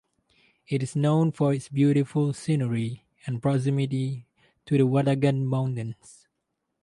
It is known for its beautiful scenery and proximity to the Watagan Mountains.